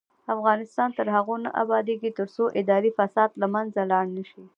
افغانستان تر هغو نه ابادیږي، ترڅو اداري فساد له منځه لاړ نشي.